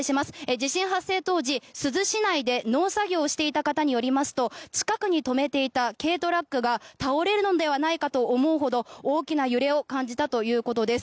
地震発生当時、珠洲市内で農作業をしていた方によりますと近くに止めていた軽トラックが倒れるのではないかと思うほど大きな揺れを感じたということです。